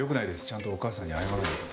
ちゃんとお母さんに謝らないと。